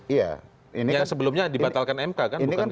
yang sebelumnya dibatalkan mk kan